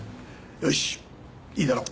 よしいいだろう。